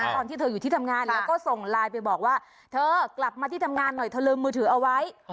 ตอนที่เธออยู่ที่ทำงานแล้วก็ส่งไลน์ไปบอกว่าเธอกลับมาที่ทำงานหน่อยเธอลืมมือถือเอาไว้